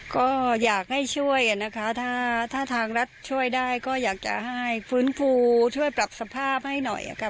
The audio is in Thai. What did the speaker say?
ก็อยากให้ช่วยนะคะถ้าทางรัฐช่วยได้ก็อยากจะให้ฟื้นฟูช่วยปรับสภาพให้หน่อยค่ะ